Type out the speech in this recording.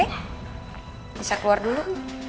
nisa keluar dulu